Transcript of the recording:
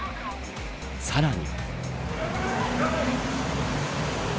さらに。